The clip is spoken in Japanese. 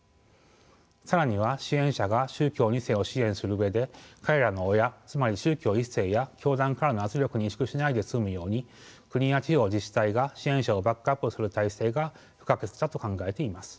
更には支援者が宗教２世を支援する上で彼らの親つまり宗教１世や教団からの圧力に萎縮しないで済むように国や地方自治体が支援者をバックアップする体制が不可欠だと考えています。